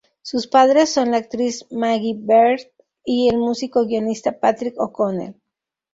Sus padres son la actriz Maggie Baird y el músico y guionista Patrick O'Connell.